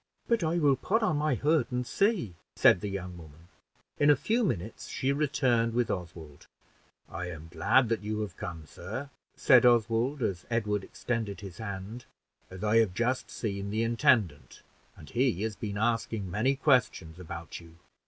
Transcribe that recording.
"But I will put on my hood and see," said the young woman. In a few minutes she returned with Oswald. "I am glad that you have come, sir," said Oswald, as Edward extended his hand, "as I have just seen the intendant, and he has been asking many questions about you.